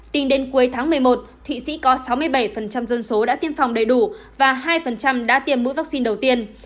tính đến cuối tháng một mươi một thụy sĩ có sáu mươi bảy dân số đã tiêm phòng đầy đủ và hai đã tiêm mũi vaccine đầu tiên